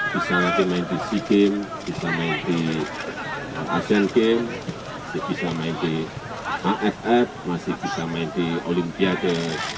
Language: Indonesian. bisa lagi main di sea games bisa main di asean games bisa main di aff masih bisa main di olimpiade